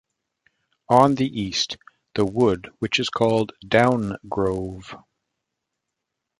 On the east: the wood which is called down-grove.